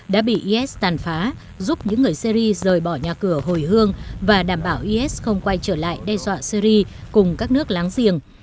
đã bị is tàn phá giúp những người syri rời bỏ nhà cửa hồi hương và đảm bảo is không quay trở lại đe dọa syri cùng các nước láng giềng